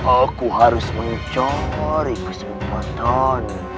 aku harus mencari kesempatan